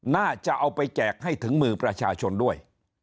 น่าจะเอาไปแจกให้ถึงมือประชาชนด้วย